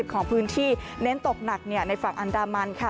ของพื้นที่เน้นตกหนักในฝั่งอันดามันค่ะ